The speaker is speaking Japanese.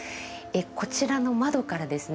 こちらの窓からですね